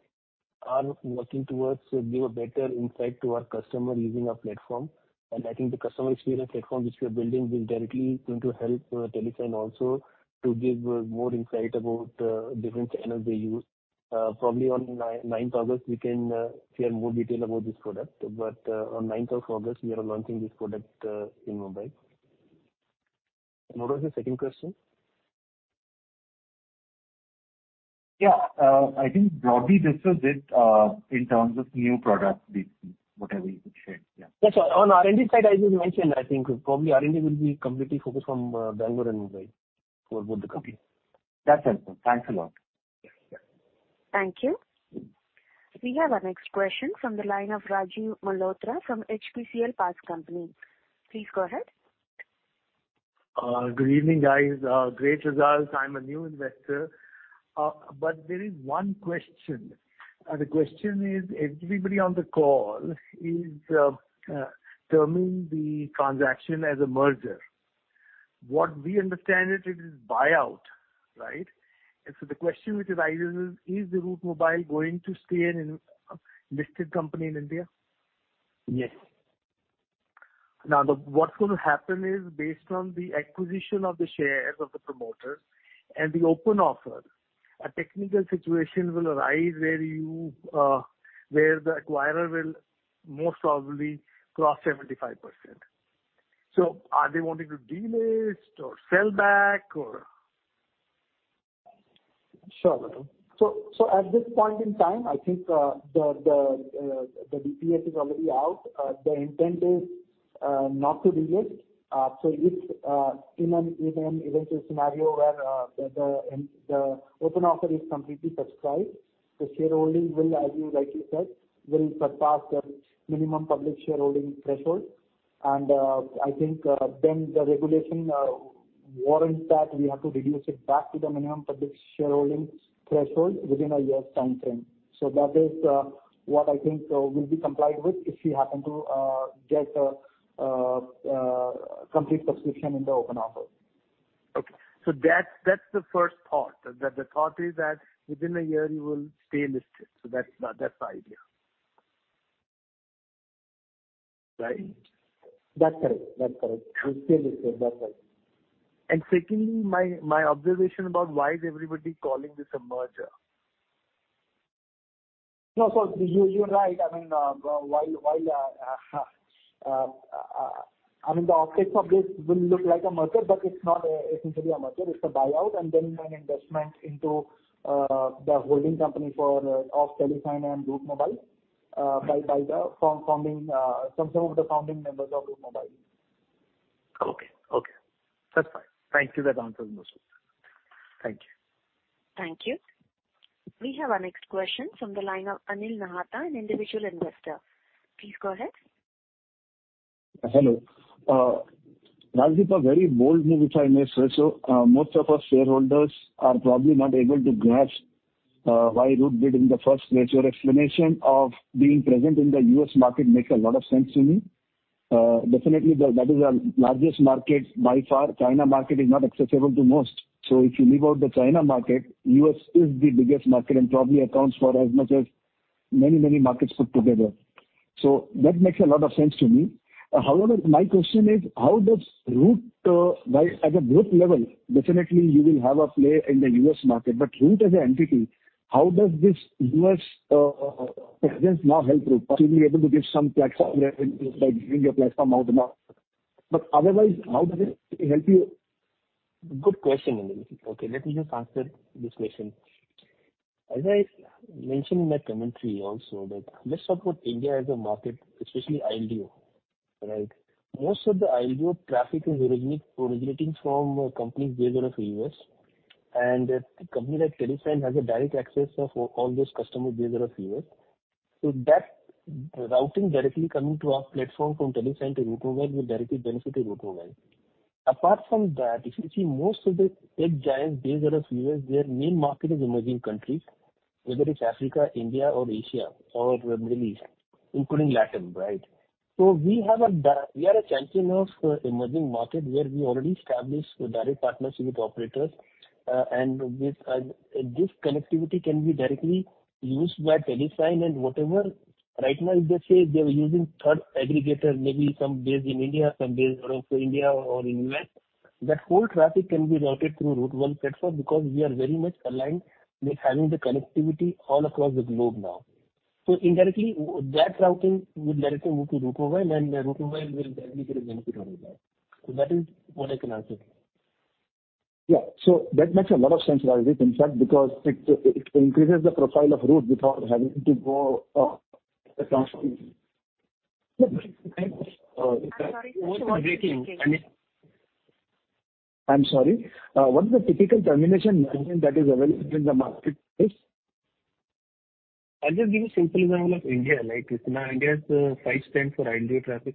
are working towards give a better insight to our customer using our platform. I think the customer experience platform which we are building will directly going to help Telesign also to give more insight about different channels they use. Probably on ninth August, we can share more detail about this product, but on ninth of August, we are launching this product in Mumbai. What was the second question? Yeah. I think broadly, this was it, in terms of new product, basically, whatever you could share. Yeah. Yes, sir. On R&D side, as you mentioned, I think probably R&D will be completely focused on, Bangalore and Mumbai for both the companies. That's helpful. Thanks a lot. Yes, sure. Thank you. We have our next question from the line of Rajiv Malhotra from HCPL Parts Company. Please go ahead. Good evening, guys. Great results. I'm a new investor. There is one question. The question is, everybody on the call is terming the transaction as a merger. What we understand it, it is buyout, right? The question which arises is, is the Route Mobile going to stay an listed company in India? Yes. What's going to happen is, based on the acquisition of the shares of the promoters and the open offer, a technical situation will arise where you, where the acquirer will most probably cross 75%. Are they wanting to delist or sell back or? Sure. So at this point in time, I think, the DPS is already out. The intent is not to delist. So if in an eventual scenario where the open offer is completely subscribed, the shareholding will, as you rightly said, will surpass the minimum public shareholding threshold. I think, then the regulation. ...warrants that we have to reduce it back to the minimum public shareholding threshold within a year's timeframe. That is, what I think, will be complied with if we happen to, get a, complete subscription in the open offer. Okay. That, that's the first part. That the thought is that within a year you will stay listed. That's the, that's the idea. Right? That's correct. That's correct. We'll stay listed. That's right. Secondly, my observation about why is everybody calling this a merger? You, you're right. I mean, while, while, I mean, the optics of this will look like a merger, but it's not essentially a merger, it's a buyout and then an investment into the holding company for, of Telesign and Route Mobile by, by the founding, some of the founding members of Route Mobile. Okay. Okay. That's fine. Thank you. That answers my question. Thank you. Thank you. We have our next question from the line of Anil Nahata, an individual investor. Please go ahead. Hello. Rajdip, a very bold move, if I may say so. Most of our shareholders are probably not able to grasp why Route Mobile did in the first place. Your explanation of being present in the US market makes a lot of sense to me. Definitely, that is our largest market by far. China market is not accessible to most. If you leave out the China market, US is the biggest market and probably accounts for as much as many, many markets put together. That makes a lot of sense to me. However, my question is: how does Route Mobile, by... At a group level, definitely you will have a play in the US market, but Route as an entity, how does this US presence now help Route to be able to give some platform, by giving a platform out now, but otherwise, how does it help you? Good question, Anil. Let me just answer this question. As I mentioned in my commentary also, that let's talk about India as a market, especially ILDO, right? Most of the ILDO traffic is originating from companies based out of US, and a company like Telesign has a direct access of all those customer base out of US. That routing directly coming to our platform from Telesign to Route Mobile will directly benefit Route Mobile. If you see, most of the tech giants based out of US, their main market is emerging countries, whether it's Africa, India or Asia or Middle East, including Latin, right? We are a champion of emerging markets, where we already established direct partnership with operators, and with this connectivity can be directly used by Telesign and whatever. Right now, let's say they are using 3rd aggregator, maybe some based in India, some based out of India or in US. That whole traffic can be routed through Route Mobile platform, because we are very much aligned with having the connectivity all across the globe now. Indirectly, that routing will directly move to Route Mobile. Route Mobile will definitely benefit out of that. That is 1 I can answer. Yeah. That makes a lot of sense, Rajdip, in fact, because it, it increases the profile of Route Mobile without having to go across. Yeah. I'm sorry to interrupt you. I'm sorry. What is the typical termination margin that is available in the marketplace? I'll just give you simple example of India, right? Now India has $0.05 for ILDO traffic.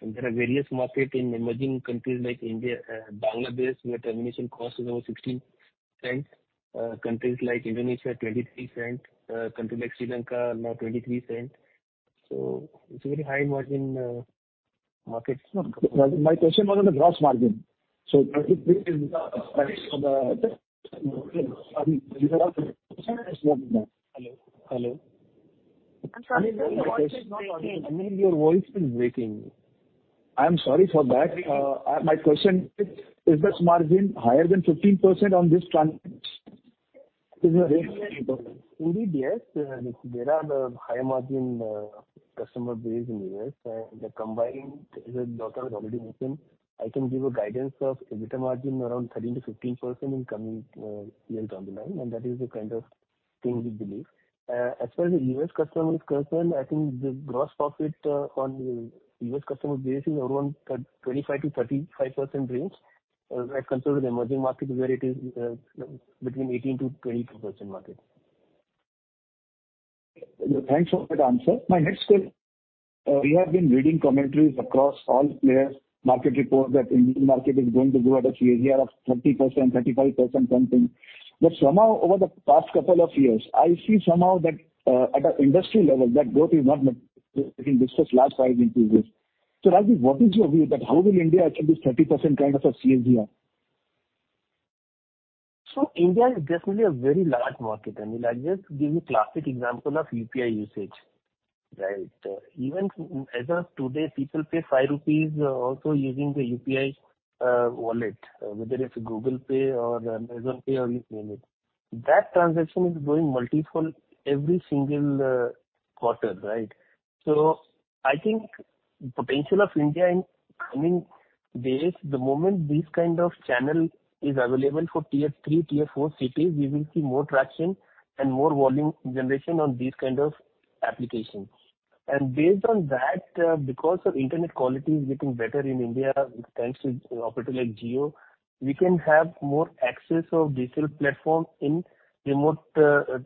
There are various market in emerging countries like India, Bangladesh, where termination cost is over $0.16. Countries like Indonesia, $0.23, country like Sri Lanka, now $0.23. It's a very high-margin, market. My question was on the gross margin. Hello? Hello. I'm sorry, your voice is breaking. Anil, your voice is breaking. I am sorry for that. My question: Is this margin higher than 15% on this? Is the rate... Indeed, yes. There are the high-margin customer base in the US, and the combined, as Dr. has already mentioned, I can give a guidance of EBITDA margin around 13%-15% in coming years down the line, and that is the kind of thing we believe. As far as the US customer is concerned, I think the gross profit on US customer base is around 25%-35% range, as compared to the emerging market, where it is between 18%-22% market. Thanks for that answer. My next question. We have been reading commentaries across all players, market reports, that Indian market is going to grow at a CAGR of 30%, 35% something. Somehow, over the past couple of years, I see somehow that, at an industry level, that growth is not materializing in this last 5, 10 years. Rajdip, what is your view about how will India achieve this 30% kind of a CAGR? India is definitely a very large market, Anil. I'll just give you classic example of UPI usage, right? Even as of today, people pay 5 rupees also using the UPI wallet, whether it's Google Pay or Amazon Pay or you name it. That transaction is growing multiple every single quarter, right? I think potential of India in coming days, the moment this kind of channel is available for tier three, tier four cities, we will see more traction and more volume generation on these kind of applications. Based on that, because of internet quality is getting better in India, thanks to operator like Jio, we can have more access of digital platform in remote,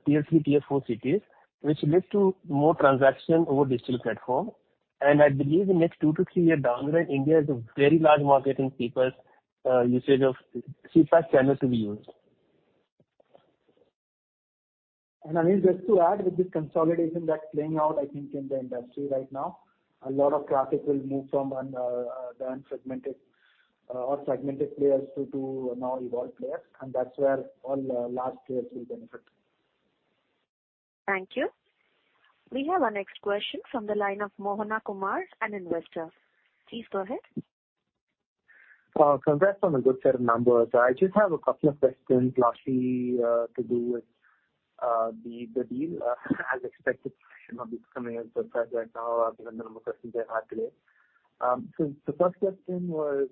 tier 3, tier 4 cities, which lead to more transaction over digital platform. I believe in the next two to three years downright, India is a very large market in people's, usage of CPaaS channel to be used. Anil, just to add with the consolidation that's playing out, I think, in the industry right now, a lot of traffic will move from un, the unsegmented or segmented players to, to now evolved players, and that's where all the large players will benefit. Thank you. We have our next question from the line of Mohana Kumar, an investor. Please go ahead. Congrats on a good set of numbers. I just have a couple of questions, lastly, to do with the deal as expected, you know, this coming as no surprise right now, given the number of questions I had today. The first question was,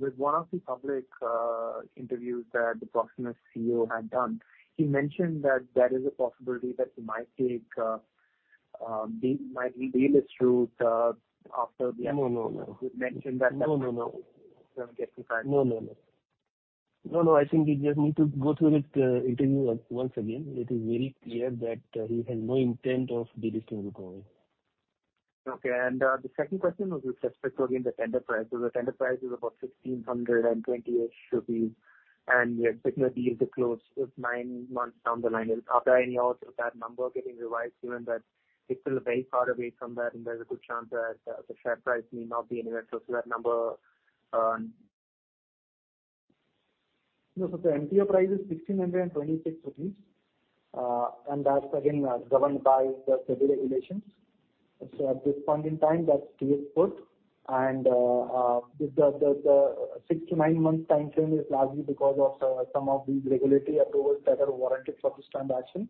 with one of the public interviews that Guillaume Boutin had done, he mentioned that there is a possibility that he might take, might delist Route, after the... No, no, no. He mentioned that. No, no, no. Just to clarify. No, no, no. No, no, I think you just need to go through that interview once again. It is very clear that he has no intent of delisting the company. Okay. The second question was with respect to, again, the tender price. The tender price is about 1,620-ish rupees, and we expect the deal to close nine months down the line. Are there any odds of that number getting revised, given that it's still very far away from that, and there's a good chance that the share price may not be anywhere close to that number? No, the MTO price is 1,626 rupees, and that's again, governed by the SEBI regulations. At this point in time, that stays put. The 6-9 month timeframe is largely because of some of these regulatory approvals that are warranted for this transaction.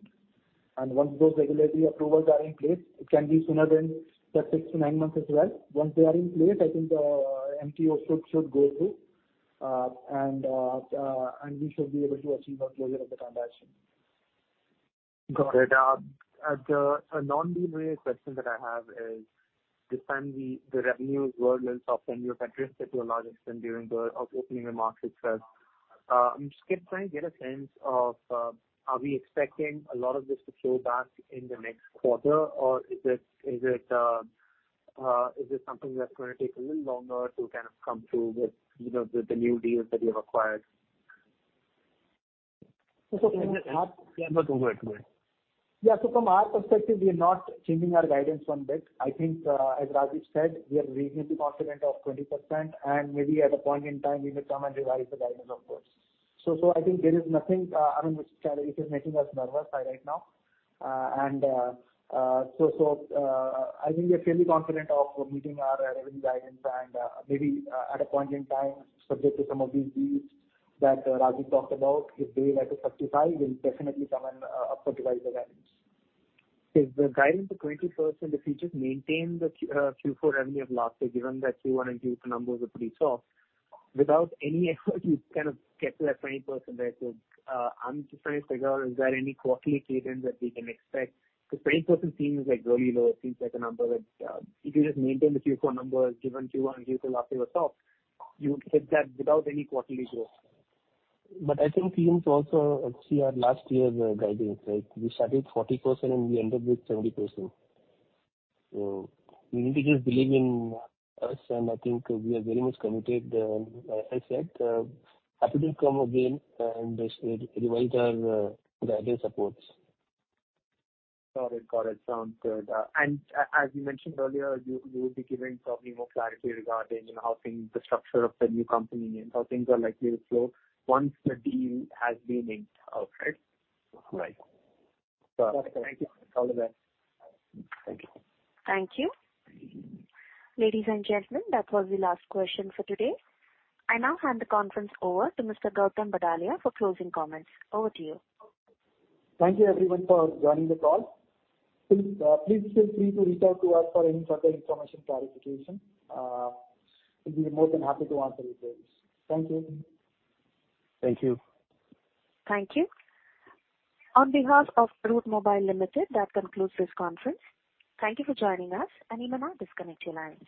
Once those regulatory approvals are in place, it can be sooner than the 6-9 months as well. Once they are in place, I think the MTO should go through, and we should be able to achieve a closure of the transaction. Got it. A non-deal related question that I have is, this time the revenues were little soft in your countries to a large extent during opening the markets. I'm just trying to get a sense of, are we expecting a lot of this to flow back in the next quarter? Or is it something that's gonna take a little longer to kind of come through with, you know, the new deals that you have acquired? So from our- Yeah, go ahead. From our perspective, we are not changing our guidance on this. I think, as Rajdip said, we are reasonably confident of 20%, and maybe at a point in time, we may come and revise the guidance, of course. I think there is nothing, I mean, which is making us nervous right now. And, I think we are fairly confident of meeting our revenue guidance, and maybe at a point in time, subject to some of these deals that Rajiv talked about, if they were to subsidize, we'll definitely come and upper revise the guidance. If the guidance of 20%, if you just maintain the Q4 revenue of last year, given that Q1 and Q2 numbers are pretty soft, without any effort, you kind of get to that 20%. I'm just trying to figure out, is there any quarterly cadence that we can expect? Because 20% seems like really low. It seems like a number that, if you just maintain the Q4 numbers, given Q1 and Q2 last year were soft, you hit that without any quarterly growth. I think teams also see our last year's guidance, right? We started 40%, and we ended with 70%. We need to just believe in us, and I think we are very much committed. Like I said, happy to come again and revise our guidance supports. Got it. Got it. Sounds good. As you mentioned earlier, you, you will be giving probably more clarity regarding how things, the structure of the new company and how things are likely to flow once the deal has been inked out, right? Right. Got it. Thank you. All the best. Thank you. Thank you. Ladies and gentlemen, that was the last question for today. I now hand the conference over to Mr. Gautam Badalia for closing comments. Over to you. Thank you everyone for joining the call. Please, please feel free to reach out to us for any further information clarification. We'd be more than happy to answer your queries. Thank you. Thank you. Thank you. On behalf of Route Mobile Limited, that concludes this conference. Thank you for joining us, and you may now disconnect your lines.